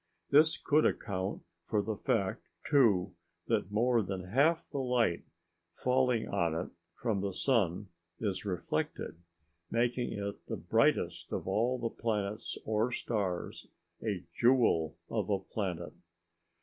This could account for the fact, too, that more than half the light falling on it from the sun is reflected, making it the brightest of all the planets or stars, a jewel of a planet.